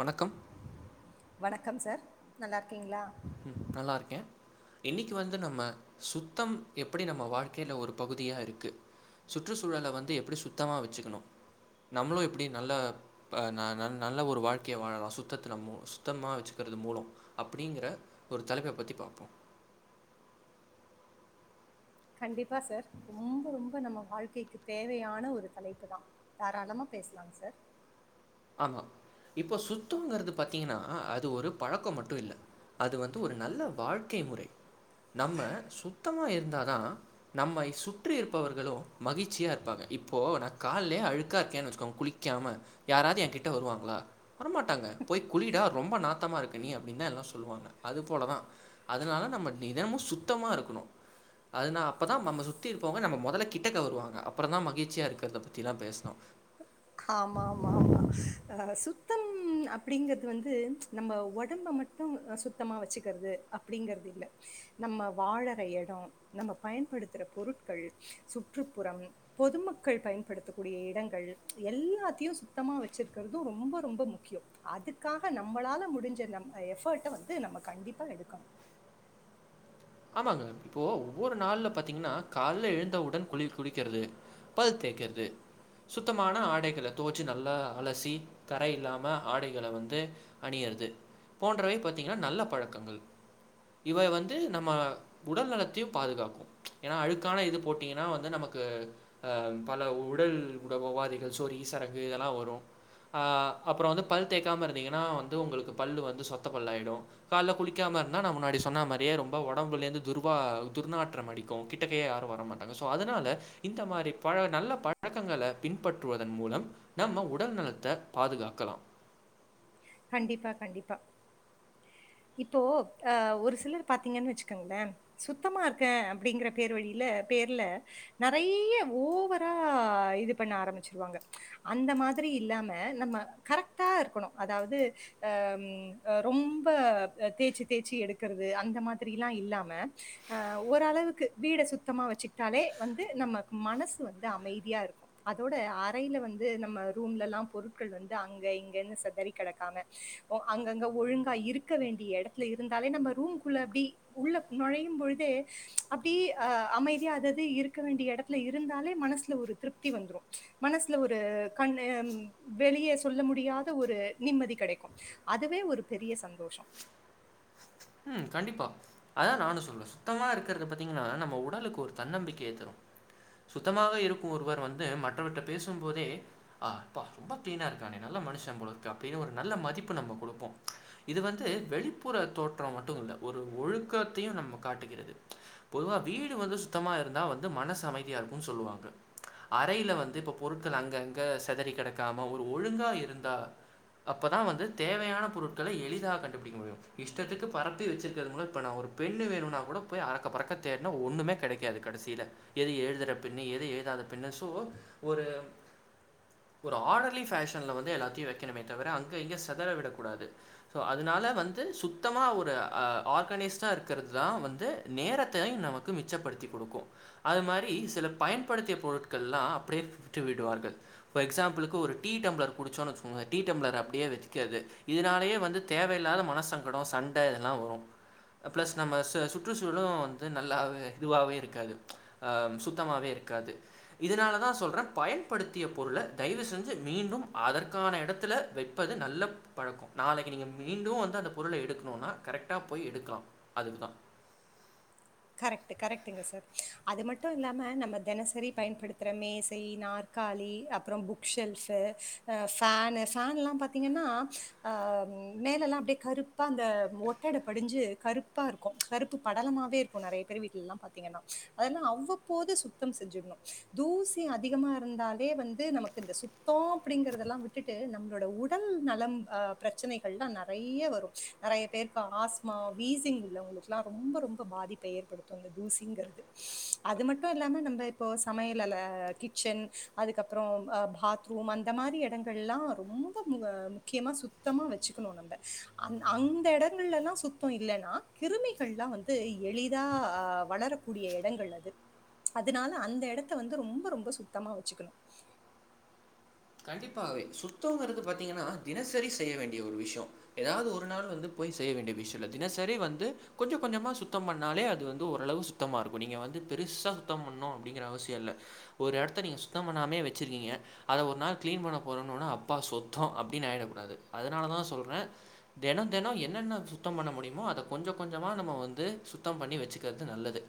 வணக்கம் வணக்கம் சார் நல்லா இருக் ம் நல்லா இருக்கேன் இன்னைக்கு வந்து நம்ம சுத்தம் எப்படி நம்ம வாழ்க்கையில ஒரு பகுதியா இருக்கு சுற்றுச்சூழலை வந்து எப்படி சுத்தமா வச்சுக்கணும் நம்மளும் எப்படி நல்ல நல்ல ஒரு வாழ்க்கையைலாம் சுத்தத்தை ந சுத்தமா வச்சுக்கிறது மூலம் அப் அப்படிங்கிற ஒரு தலைப்ப பத்தி பார்போம் கண்டிப்பா சார் ரொம்ப ரொம்ப நம்ம வாழ்க்கைக்கு தேவையான ஒரு தலைப்பு தான் தாராளமா பேசலாங்க சார் ஆமா இப்போ சுத்தங்கிறது பார்த்தீங்கன்னா அது ஒரு பழக்கம் மட்டும் இல்ல அது வந்து ஒரு நல்ல வாழ்க்கை முறை நம்ம சுத்தமாக இருந்தால் தான் நம்ம சுற்றி இருப்பவர்களும் மகிழ்ச்சியாக இருப்பாங்க இப்போது நான் காலயே அழுக்கா இருக்கேன்னு வச்சுக்கோங்க குளிக்காம யாராவது என் கிட்ட வருவாங்களா வரமாட்டாங்க போய் குளிடா ரொம்ப நாத்தமா இருக்க நீ அப்படின்னு தான் எல்லாம் சொல்லுவாங்க அது போலதான் அதனால நம்ம நினமும் சுத்தமா இருக்கணும் அதனா அப்போதான் நம்ம சுத்தி இருப்பங்க நம்ம முதல்ல கிட்டக்க வருவாங்க அப்புறம் தான் மகிழ்ச்சியா இருக்கிறத பத்திலா பேசினோம் ஆமா ஆமா ஆமா ஆ சுத்தம் அப்படிங்கறது வந்து நம்ம உடம்ப மட்டும் சுத்தமா வச்சுக்கிறது அப்படிங்கறது இல்ல நம்ம வாழற இடம் நம்ம பயன்படுத்துற பொருட்கள் சுற்றுப்புறம் பொதுமக்கள் பயன்படுத்தக்கூடிய இடங்கள் எல்லாத்தையும் சுத்தமா வச்சிருக்கறதும் ரொம்ப ரொம்ப முக்கியம் அதுக்காக நம்மளால முடிஞ்ச நம் எஃபர்ட்டை வந்து நம்ம கண்டிப்பா எடுக்கணும் ஆமாங்க இப்போ ஒவ்வொரு நாள்ல பாத்தீங்கன்னா கால எழுந்தவுடன் குளி குளக்கிறது பல் தேக்கிறது சுத்தமான ஆடைகளை தோச்சு நல்லா அலசி கரை இல்லாம ஆடைகளை வந்து அணியறது போன்றவை பாத்தீங்கன்னா நல்ல பழக்கங்கள் இவை வந்து நம்ம உடல் நலத்தையும் பாதுகாக்கும் ஏனா அழுக்கான இது போட்டீங்கன்னா நமக்கு அ பல உடல்ட உவாதிகள் சொரி சரகு இதெல்லாம் வரும் அப்புறம் வந்து பல் தேக்காம இருந்தீங்கன்ன உங்களுக்கு பல் வந்து சொத்த பல்லாடும் காலைல குளிக்காம இருந்த நா முன்னாடி சொன்ன மாரியே ரொம் ப உடம்புலந்து துர்வா துர்நாற்றம் அடிக்கும் கிட்டக்கையே யாரும் வரமாட்டாங்க சோ அதனால இந்த மாதிரி பழ நல்ல பழக்கங்களை பின்பற்றுவதன் மூலம் நம்ம உடல் நலத்தை பாதுகாக்கலாம் கண்டிப்பா கண்டிப்பா இப்போ அஹ் ஒரு சிலர் பாத்தீங்கன்னு வச்சுக்கோங்களேன் சுத்தமா இருக்கேன் அப்படிங்கற பேர் வழியில பேர்ல நெறைய ஓவரா இது பண்ண ஆரம்பிச்சிருவாங்க அந்த மாதிரி இல்லாம நம்ம கரெக்டா இருக்கணும் அதாவது அஹ் ரொம் ப அ தேய்சு தேய்சு எடுக்கிறது அந்த மாதிரல்லாம் இல்லாம ஓரளவுக்கு வீட சுத்தமா வச்சுக்கிட்டாலே வந்து நமக்கு மனசு வந்து அமைதியா இருக்கும் அதோட அறையில வந்து நம்ம ரூம்லல்லாம் பொருட்கள் வந்து அங்க இங்கனு சிதறி கிடக்காம ஒ அங்கங்க ஒழுங்கா இரு க்க வேண்டிய இடத்துல இருந்தாலே நம்ம ரூம்கள்ள அப்படி உள்ள நுழையும் பொழுதே அப்படி அமைதியாதது இருக்க வேண்டிய இடத்துல இருந்தாலே மனசுல ஒரு திருப்தி வந்துடும் மனசுல ஒரு கண் வெளியே சொல்ல முடியாத ஒரு நிம்மதி கிடைக்கும் அதுவே ஒரு பெரிய சந் தோஷம் உஹம் கண்டிப்பா அதான் நானும் சொல்றேன் சுத்தமா இருக்கிறது பாத்தீங்கன்னா நம்ம உடலுக்கு ஒரு தன்னம்பிக்கையை தரும் சுத்தமாக இருக்கும் ஒருவர் வந்து மற்றவர்கிட்ட பேசும் போதே ஆஹ் ப்பா ரொம்ப கிளீனா இருக்கானே நல்ல மனுஷன் பொழு இருக்கு அப்படின்னு ஒரு நல்ல மதிப்பு நம்ம கொடுப்போம் இது வந்து வெளிப்புற தோ மட்டு இல்ல ஒரு ஒழுக்கத்தையும் நம்ம காட்டுகிறது பொதுவ வீடு வந்து சுத்தமா இருந்த வந்து மனசு அமைதியா இருக்கும் சொல்லுவாங்க அறையில வந்து பொருட்கள் அங்கங்க செதறி கிடக்கா மா ஒரு ஒழுங்கா இருந்தா அப்பதான் வந்து தேவையான பொருட்களை எளிதாக கண்டுபிடிக்க முடியும் இஷ் டத்துக்கு பரப்பி வெச்சிருக்கிறது மூலம் இப்ப நான் ஒரு பெண்ணு வேணுனா கூட போய் அரக்க பறக்க தேடுனா ஒண்ணுமே கிடைக்காது கடைசில எது எழுதுற பெண்ணு எது எழுதாத பெண்ணு சோ ஒரு ஒரு ஆர்டர்லி ஃபே ஷன் வந்து எல்லாத்தையும் வக்கனுமே தவிர அங்க இங்க சதற விடக்கூடாது சோ அதனால வந்து சுத்த சுத்தமா ஒரு ஆர்கனைஸ்டா இருக்கிறது தான் வந்து நேரத்தையும் நமக்கு மிச்சப்படுத்தி கொடுக்கும் அது மாரி சில பயன்படுத்திய பொருட்கள்லாம் அப்டியே விட்டுவிடுவார்கள் ஃபார் எக்ஸாம்பிளுக்கு ஒரு டீ டம்ளர் குடிச்சோ டீ டம்ளர் அப்படியே வச்சக்கிறது இதனாலயே வந்து தேவையில்லாத மன சங்க சண்டை இதெல்லாம் வரும் ப்ளஸ் நம்ம சுற்றுச்சூலும் வந்து நல்லாவ இதுவாகவே இருக்காது சுத்தமவே இருக்காது இதனாலதான் சொல்றேன் பயன்படுத்திய பொருளை தயவு செஞ்சு மீண்டும் அதற்கான இடத்துல வைப்பது நல்ல பழக்கம் நாளைக்கு நீங்க மீண்டும் வந்து அந்த பொருளை எடுக்கணுன்னா கரெக்டாக போய் எடுக்கலாம் அதுக்கு தான் கரெக்ட் கரெக்ட்டுங்க சார் அது மட்டும் இல்லாம நம்ம தினசரி பயன்படுத்துற மேசை நாற்காலி அப்புறம் புக் ஷெல்ஃப் ஃபேன் ஃபேன் எல்லாம் பாத்தீங்கன்னா அ மேலெல்லாம் அப்படியே கருப்பா அந்த ஒட்டடை படிஞ்சு கருப்பா இருக்கும் கருப்பு படலமாவே இரு க்கும் நறைய பேர் வீட்லலாம் பாத்தீங்கனா அதெல்லாம் அவ்வப்போது சுத்தம் செஞ்சிடணும் தூசி அதிகமா இருந்தாலே வந்து நமக்கு இந்த சுத்தம் அப்படிங்கறதெல்லாம் விட்டுட்டு நம்மளோட உடல் நலம் அ பிரச்சனைகள்லாம் நெறைய வரும் நறைய பேருக்கு ஆஸ்துமா வீசிங் உள்ளவங்களுக்குல்லாம் ரொம்ப ரொம்ப பாதிப் பே ஏற்படுத்தும் அந்த தூசிங்கிறது அது மட்டும் இல்லாம நம்ம இப்போ சமையலல கிச்சன் அதுக்கப்புறம் பாத்ரூம் அந்த மாதிரி இடங்கள்ல்லாம் ரொம்ப முக்கியமா சுத்தமா வச்சுக்கணும் நம்ப அந்த இடங்கள்ல எல்லாம் சுத்தம் இல்லைன்னா கிருமிகள்லாம் வந்து எளிதா அஹ் வளரக்கூடிய இடங்கள் அது அதனால அந்த இடத்த வந்து ரொம்ப ரொம்ப சுத்தமா வச்சுக்கணும் கண்டிப்பாவே சுத்தம்ங்கிறது பாத்தீங்கன்னா தினசரி செய்ய வேண்டிய ஒரு விஷயம் ஏதாவது ஒரு நாள் வந்து போய் செய்ய வேண்டிய விஷயம் இல்ல தினசரி வந்து கொஞ்சம் கொஞ்சமா சுத்தம் பண்ணாலே அது வந்து ஓரளவு சுத்தமா இருக்கும் நீங்க வந்து பெருசா சுத்தம் பண்ணனும் அப்படிங்கற அவசியம் இல்ல ஒரு இடத்தை நீங்க சுத்தம் பண்ணாமலே வச்சிருக்கீங்க அத ஒரு நாள் கிளீன் பண்ண போறோன்னுடனா அப்பா சுத்தம் அப்டின்னு ஆகிடக் கூடாது அதனாலதான் சொல்றேன் தினம் தினம் என்னென்ன சுத்தம் பண்ண முடியுமோ அதை கொஞ்சம் கொஞ்சமா நம்ம வந்து சுத்தம் பண்ணி வச்சுக்கிறது நல்லது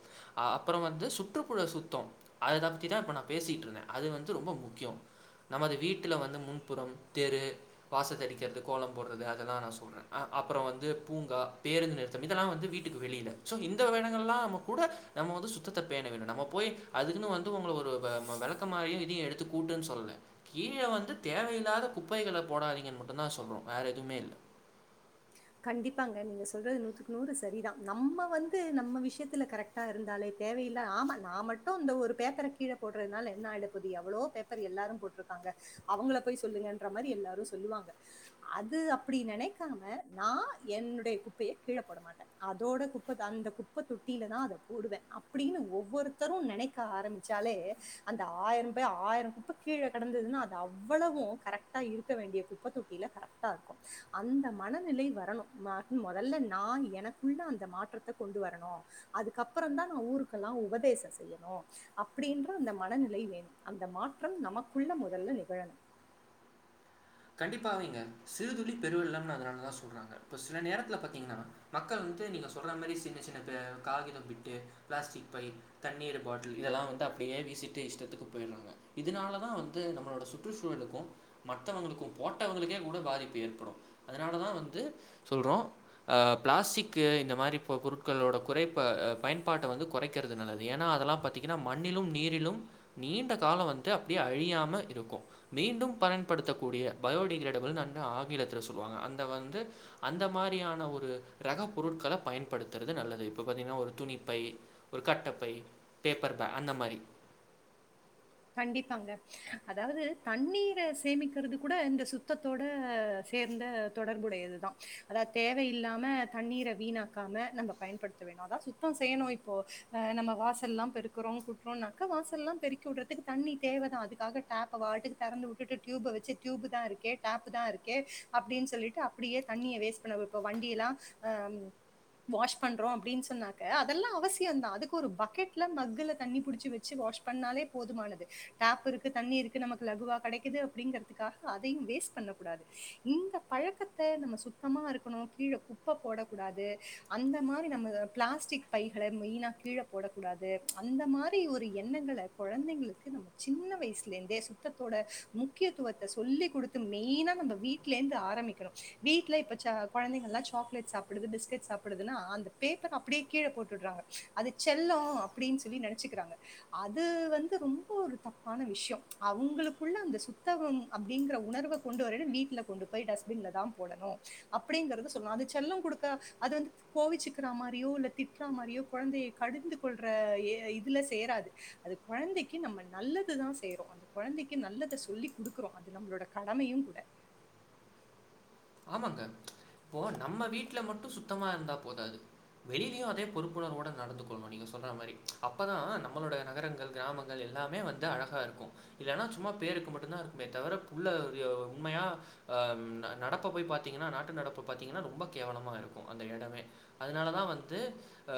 அப்புறம் வந்து சுற்றுப்புற சுத்தம் அதை பத்தி தான் இப்ப நான் பேசிட்டு இருந்தேன் அது வந்து ரொம்ப முக்கியம் நம்மது வீட்டுல வந்து முன்புறம் தெரு வாசத்தைடிக்கிறது கோலம் போடுறது அதெல்லாம் நான் சொலறேன் அப்புறம் வந்து பூங்கா பேருந்து நிறுத்தம் இதெல்லாம் வந்து வீட்டுக்கு வெளியில ஸோ இந்த வேணங்கள்லாம் நம்ம கூட நம்ம வந்து சுத்தத்தை பேண வேணும் நம்ம போய் அதுக்குன்னு வந்து உங்களை ஒரு விளக்க மாறயும் இதையும் எடுத்து கூட்டுன்னு சொல்லல கீழே வந்து தேவையில்லாத குப்பைகளை போடாதீங்கன்னு மட்டும் தான் சொல்வோம் வேற எதுவுமே இல்ல கண்டிப்பாங்க நீங்க சொல்றது நூத்துக்கு நூறு சரிதான் நம்ம வந்து நம்ம விஷயத்துல கரெக்டா இருந்தாலே தேவையில்ல ஆமா நா மட்டும் இந்த ஒரு பேப்பரை கீழே போடுறதுனால என்ன ஆகிட போகுது எவ்ளோ பேப்பர் எல்லாரும் போட்டிருக்காங்க அவங்கள போய் சொல்லுங்கன்ற மாதிரி எல்லாரும் சொல்லுவாங்க அது அப்படி நினைக்காம நா என்னுடைய குப்பைய கீழ போட மாட்டேன் அதோட குப்பை அந்த குப்பை தொட்டிலதான் அதை போடுவ அப்படின்னு ஒவ்வொருத்தரும் நினைக்க ஆரம்பிச்சாலே அந்த ஆயிரம்பாய் ஆயிரம் குப்பை கீழே கிடந்ததுன்னா அது அவ்வளவும் கரெக்டா இருக்க வேண்டிய குப்பை தொட்டியில கரெக்டா இருக்கும் அந்த மனநிலை வரணும் நா முதல்ல நான் எனக்குள்ள அந்த மாற்றத்தை கொண்டு வரணும் அதுக்கப்பறம் தான் நான் ஊருக்கெல்லாம் உபதேச செய்யணும் அப்படின்ற அந்த மனநிலை வேணும் அந்த மாற்றம் நமக்குள்ள முதல்ல நிகழணும் கண்டிப்பாவேங்க சிறுதுளி பெருவெள்ளம் அதனாலதான் சொல்றாங்க இப்ப சில நேரத்துல பாத்தீங்கன்னா மக்கள் வந்து நீங்க சொல்ற மாரி சின்ன சின்ன காகிதம் பிட்டு பிளாஸ்டிக் பை தண்ணீர் பாட்டில் இதெல்லாம் வந்து அப்படியே வீசிட்டு இஷ்டத்துக்கு போற்றாங்க இதனாலதான் வந்து நம்மளோட சுற்றுசூழலுக்கும் மத்தவங்ளுக்கும் போட்டவங்களுக்கே கூட பாதிப்பு ஏற்படும் அதனால தான் வந்து சொல்றோம் பிளாஸிக் இந்த மாரி பொருட்களோட குறைப்ப பயன்பாட்டை வந்து குறைக்கிறது நல்லது ஏன்னா அதெல்லாம் பாத்திங்கன்னா மண்ணிலும் நீரிலும் நீண்ட காலம் வந்து அப்படியே அழியாம இருக்கும் மீண்டும் பன் யடுத்தக்கூடிய பயோடிங் ஆங்கிலத்தில் சொல்லுவாங்க அந்த வந்து அந்த மாரியான ஒரு ரக பொருட்களை பயன்படுத்துறது நல்லது இப்ப பாத்திங்கன்னா துணிப்பை ஒரு கட்டப்பை பேப்பர்ப அந்தமாரி கண்டிப்பாங்க அதாவது தண்ணீரை சேமிக்கிறது கூட இந்த சுத்தத்தோட சேர்ந்த தொடர்புடையதுதான் அதாவ தேவையில்ல்லாம தண்ணீரை வீணாக்காம நம்ம பயன்படுத்த வேணும் அதான் சுத்தம் செய்யணும் இப்போ நம்ம வாசல் எல்லாம் பெருக்குறோம் கூட்டுறோம்னாக்கா வாசல் எல்லாம் பெருக்கிவிடுறது அதுக்கு தண்ணி தேவை தான் அதுக்காக டாப்ப அவா பாட்டுக்கு திறந்து விட்டுட்டு ட்யூப வெச்சு ட்யூப் தான் இருக்கே டாப் தான் இருக்கே அப்படின்னு சொல்லிட்டு அப்படியே தண்ணிய வேஸ்ட் பண்ணக்கூடாது இப்ப வண்டி எல்லாம் அ வாஷ் பண்றோம் அப்படின்னு சொன்னாக்க அதெல்லாம் அவசியம் தான் அதுக்கு ஒரு பக்கெட்ல மக்ல தண்ணி புடிச்சு வச்சு வாஷ் பண்ணாலே போதுமானது டாப் இருக்கு தண்ணி இருக்கு நமக்கு லகுவா கிடைக்குது அப்படிங்கறதுக்காக அதையும் வேஸ்ட் பண்ணக்கூடாது இந்த பழக்கத்த நம்ம சுத்தமா இருக்கணும் கீழ குப்பை போடக்கூடாது அந்த மாதிரி நம்ம பிளாஸ்டிக் பைகளை மெயினா கீழ போடக்கூடாது அந்த மாதிரி ஒரு எண்ணங்கள கொழந்தைங்களுக்கு நம்ம சின்ன வயசுல இருந்தே சுத்தோட முக்கியத்துவத்தை சொல்லிக் குடுத்து மெய்னா நம்ம வீடல இருந்து ஆரம்பிக்கணு வீட்டுல இப்ப ச கொழந்தைகலாம் சாக்லேட் சாப்பிடுது பிஸ்கட் சாப்பிடுதுனா அந்த பேப்பர் அப்டியே கீழே போட்டுற்றாங்க அது செல்லோ அப்டின்னு சொல்லி நெனைச்சுக்கிறாங்க அத் அது வந்து ரொம்ப ஒரு தப்பான விஷியோ அவங்களுக்குள்ள அந்த சுத்தகம் அப்டிங்கிற உணர்வ கொண்டு வரணு வீட்டுல கொண்டு போய் டஸ்ட்பின்ல தா போடணு அப்டிங்கறத சொல்லு அது செல்லம் குடுக்க அது வந்து கோவிச்சுக்கிற மாரியோ இல்ல திட்டுற மாரியோ கொழந்தைய கடிந்து கொள்ற எ இதுல சேராது அது கொழந்தைக்கு நம்ம நல்லதுதா செய்றோ அந்த கொழந்தைக்கு நல்லதை சொல்லி குடுக்குறோ அது நம்மளோட கடமையு கூட ஆமாங்க இப்போ நம்ம வீட்டுல மட்டு சுத்தமா இருந்தா போதாது வெளிலயு அதே பொறுப்புணர்வோட நடந்து கொள்ளணு நீங்க சொல்ற மாரி அப்பதா நம்மளோட நகரங்கள் கிராமங்கள் எல்லாமே வந்து அழகா இருக்கு இல்லலைன்னா சும்மா பேருக்கு மட்டுதா இருக்குமே தவிர உள்ள அ உண்மையா அஹ் ந நட இப்ப போய் பாத்தீங்கன்னா நாட்டு நடப்பு பாத்தீங்கன்னா ரொம்ப கேவலமா இருக்கு அந்த இடமே அதனால தா வந்து அ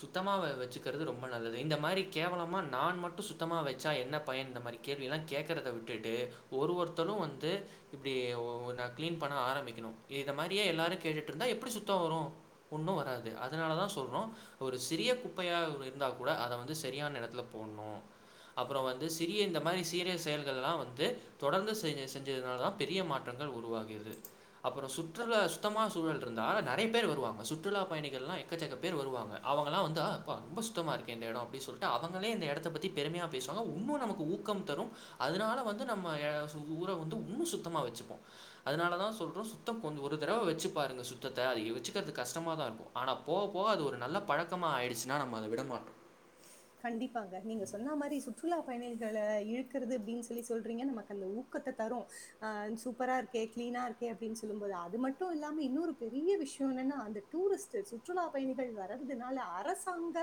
சுத்தமா வச்சுக்கிறது ரொம்ப நல்லது இந்த மாரி கேவலமா நா மட்டு சுத்தமா வச்சா என்ன பயன் இந்த மாரி கேள்வியெல்லா கேட்கறத விட்டுட்டு ஒரு வருத்தரும் வந்து இப்டி ஒ [unintelligible] பண்ண ஆரம்பிக்கணு இத மாதிரியே எல்லாரு கேட்டுட்டு இருந்தா எப்டி சுத்த வரு ஒன்னு வராது அதனால தா சொல்றோ ஒரு சிறிய குப்பையாக இருந்தா கூட அத வந்து சரியான எடத்துல போடணு அப்புற வந்து சிறிய இந்த மாதிரி சீரிய செயல்களெலா வந்து தொடர்ந்து செஞ் செஞ்சதுனால தா பெரிய மாற்றங்கள் உருவாகிறது அப்புறோ சுற்றுலா சுத்தமா சூழல் இருந்தா நெறைய பேர் வருவாங்க சுற்றுலா பயணிகள் எல்லா எக்கச்சக்க பேர் வருவாங்க அவங்கல்லா வந்தா அப்ப ரொம்ப சுத்தமா இருக்கே இந்த எடோ அப்டி சொல்லிட்டு அவங்களே இந்த எடத்த பத்தி பெருமையா பேசுவாங்க உன்னு நமக்கு ஊக்கம் தரு அதனால வந்து நம்ம எ சு ஊர வந்து உன்னு சுத்தமா வச்சுபோ அதனாலதா சொல்றோ சுத்தம் ஒரு தடவை வச்சு பாருங்க சுத்தத்த அத வச்சுக்கிறது கஷ்டமா தா இருக்கு ஆனா போக போக அது ஒரு நல்ல பழக்கமா ஆயிடுச்சுன்னா நம்ம அத விடமாட்டோ கண்டிப்பாங்க நீங்க சொன்னா மாறி சுற்றுலா பயணிகளை இழுக்குறது அப்டின்னு சொல்லி சொல்றீங்க நமக்கு அந்த ஊக்கத்தை தரும் அஹ் சூப்பரா இருக்கே கிளீனா இருக்கே அப்டின்னு சொல்லும் போது அது மட்டு இல்லாம இன்னொரு பெரிய விஷயோ என்னன்னா அந்த டூரிஸ்ட் சுற்றுலா பயணிகள் வர்றதுனால அரசாங்க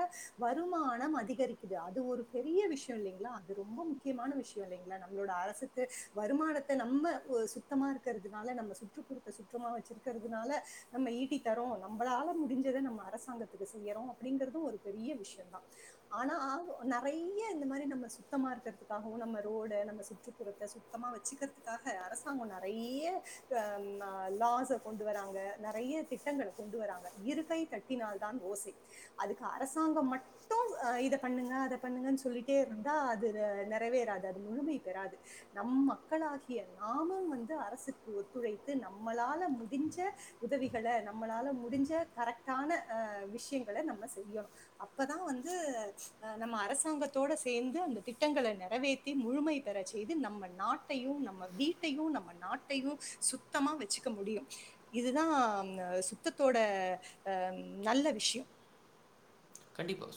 வருமானம் அதி அதிகரிக்குது அது ஒரு பெரிய விஷயோ இல்லைங்களா அது ரொம்ப முக்கியமான விஷயோ இல்லைங்களா நம்மளோட அரசுக்கு வருமானத்தை நம்ம சுத்தமா இருக்கிறதுனால நம்ம சுற்றுப்புறத்தை சுற்றமா வச்சிருக்கிறதுனால நம்ம ஈட்டி தரோ நம்மளால முடிஞ்சதை நம்ம ஒரு அரசாங்கத்துக்கு செய்றோ அப்படிங்கறது ஒரு பெரிய விசயோ தா ஆனா நெறைய இந்த மாரி நம்ம சுத்தமா இருக்கிறதுக்காகவும் நம்ம ரோடை நம்ம சுற்றுப்புறத்தை சுத்தமா வச்சுக்கிறதுக்காக அரசாங்கம் நெறைய அ ம லாஸ கொண்டு வராங்க நெறைய திட்டங்களை கொண்டு வராங்க இருக்கைய தட்டினால் தான் ஓசை அதுக்கு அரசாங்கம் மட்டு அ இத பண்ணுங்க அத பண்ணுங்கன்னு சொல்லிட்டே இருந்தா அது நெறைவேறாது அது முழுமை பெறாது நம் மக்களாகிய நாமும் வந்து அரசுக்கு ஒத்துழைத்து நம்மளால முடிஞ்ச உதவிகளை நம்மளால முடிஞ்ச கரெக்டான விஷயங்களை அ நம்ம செய்யணு அப்பதா வந் வந்து அ நம்ம அரசாங்கத்தோட சேந்து அந்த திட்டங்களை நிறைவேத்தி முழுமை பெற செய்து நம்ம நாட்டையு நம்ம வீட்டையு நம்ம நாட்டையு சுத்தமா வச்சுக்க முடியு இதுதா ஹ சுத்தத்தோட அஅ நல்ல விஷயோ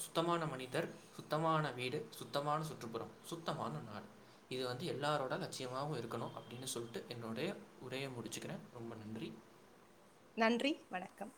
சுத்தமான மனிதர் சுத்தமான வீடு சுத்தமான சுற்றுப்புறம் சுத்தமான நாள் இது வந்து எல்லாரோட லட்சியமாவு இருக்கணு அப்டின்னு சொல்லிட்டு என்னுடைய உரைய முடிச்சுக்கிறே ரொம்ப நன்றி நன்றி வணக்கம்